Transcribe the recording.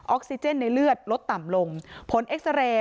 ซิเจนในเลือดลดต่ำลงผลเอ็กซาเรย์